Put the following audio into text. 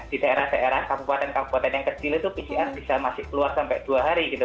di daerah daerah kabupaten kabupaten yang kecil itu pcr bisa masih keluar sampai dua hari gitu